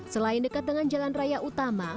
selain dekat dengan jalan raya utama